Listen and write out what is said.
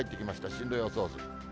進路予想図。